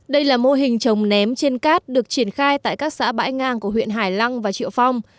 đây là mô hình trồng ném trên cát được triển khai tại các xã bãi ngang của huyện hải lăng và triệu phong